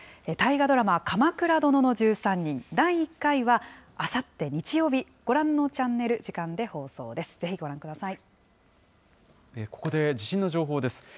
大河ドラマ、鎌倉殿の１３人、第１回は、あさって日曜日、ご覧のチャンネル、時間で放送です。